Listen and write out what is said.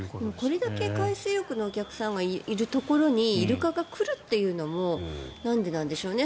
これだけ海水浴のお客さんがいるところにイルカが来るっていうのもなんでなんでしょうね。